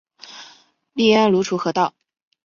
隶安庐滁和道。